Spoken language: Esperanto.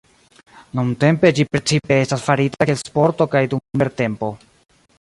Nuntempe ĝi precipe estas farita kiel sporto kaj dum libertempo.